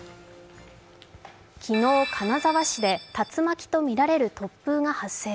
昨日、金沢市で竜巻とみられる突風が発生。